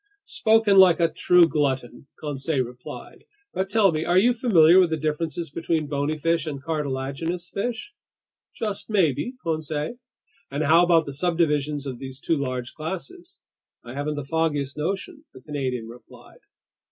"Spoken like a true glutton," Conseil replied. "But tell me, are you familiar with the differences between bony fish and cartilaginous fish?" "Just maybe, Conseil." "And how about the subdivisions of these two large classes?" "I haven't the foggiest notion," the Canadian replied.